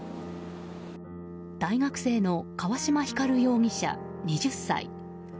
大学生の川島光容疑者、２０歳。